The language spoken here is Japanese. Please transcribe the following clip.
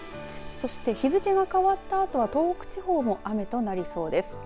そして日付が変わったあとは東北地方も雨となりそうです。